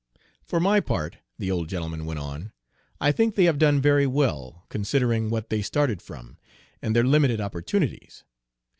"For my part," the old gentleman went on, "I think they have done very well, considering what they started from, and their limited opportunities.